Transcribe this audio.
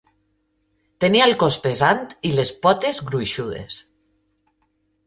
Tenia el cos pesant i les potes gruixudes.